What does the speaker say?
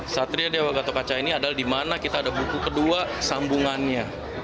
satria dewa gatot kaca ini adalah dimana kita ada buku kedua sambungannya